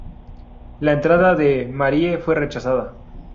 La entrada de Marie fue rechazada.